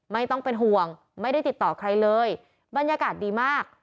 ไม่ต้องเป็นห่วงไม่ได้ติดต่อใครเลยบรรยากาศดีมาก